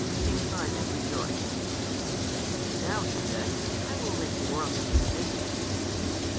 King Simon rejoiced. "Now," he said, "I will make war on the King of India."